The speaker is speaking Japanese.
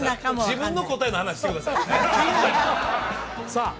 自分の答えの話してくださいさあ